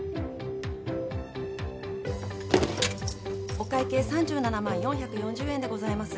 お会計３７万４４０円でございます。